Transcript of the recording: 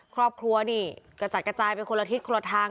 ครอบครัวนี่กระจัดกระจายไปคนละทิศคนละทาง